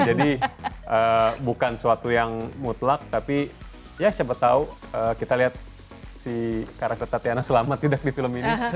jadi bukan suatu yang mutlak tapi ya siapa tau kita liat si karakter tatiana selamat tidak di film ini